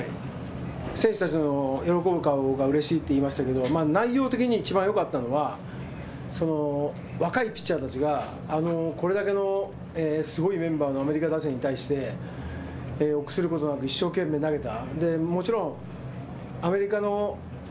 選手たちの喜ぶ顔がうれしいと言いましたが内容的にいちばんよかったのは若いピッチャーたちがこれだけのすごいメンバーのアメリカに対して、臆することなく一生懸命投げた。